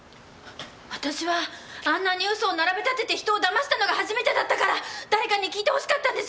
あたしはあんなに嘘を並べたてて人を騙したのが初めてだったから誰かに聞いて欲しかったんです！